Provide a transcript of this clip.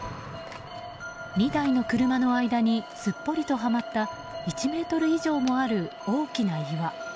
２台の車の間にすっぽりとはまった１ｍ以上もある大きな岩。